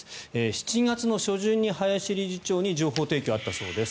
７月の初旬に林理事長に情報提供があったそうです。